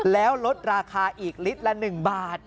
แล้วลดราคาอีกลิตรละ๑บาท